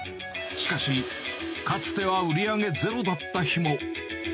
しかし、かつては売り上げゼロだった日も。